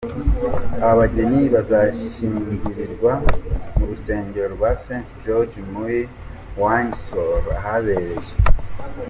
Aba bageni bazashyingirirwa mu rusengero rwa St George muri Windsor ahabereye .